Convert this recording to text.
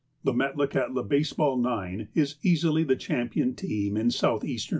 The Metlakahtla baseball nine is easily the champion team in Southeastern Alaska.